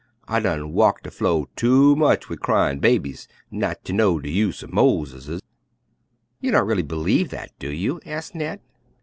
I done walk de flo' too much wid cryin' babies not ter know de use er moleses." "You don't really believe that, do you?" asked Ned.